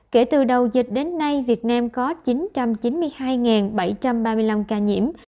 kể từ đầu dịch đến nay việt nam có chín trăm chín mươi hai bảy trăm ba mươi năm ca nhiễm